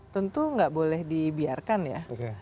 tentu nggak boleh dibiarkan ya